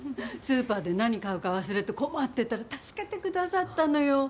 スーパーで何買うか忘れて困ってたら助けてくださったのよ。